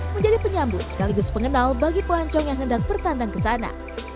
menjadi penyambut sekaligus pengenal bagi pelancong yang hendak bertandang ke sana